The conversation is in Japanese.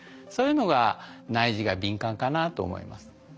そういうのが内耳が敏感かなと思います。